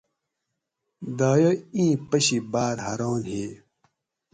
دایہ اِیں پشی باۤر حران ہی